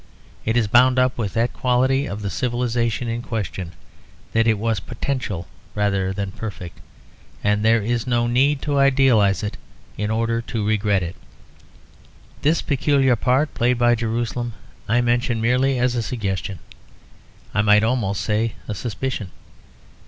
It is bound up with that quality of the civilisation in question, that it was potential rather than perfect; and there is no need to idealise it in order to regret it. This peculiar part played by Jerusalem I mention merely as a suggestion; I might almost say a suspicion.